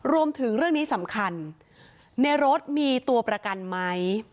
รวมถึงเรื่องนี้สำคัญในรถมีตัวประกันไหม